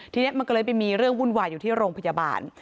ทีนี้มันก็เลยไปมีเรื่องวุ่นวายอยู่ที่โรงพยาบาล